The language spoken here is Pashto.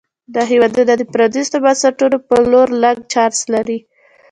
دا هېوادونه د پرانیستو بنسټونو په لور لږ چانس لري.